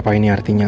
apa ini artinya